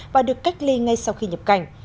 và được cách ly ngay sau khi nhập cảnh